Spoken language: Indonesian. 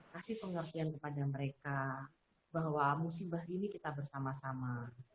kasih pengertian kepada mereka bahwa musibah ini kita bersama sama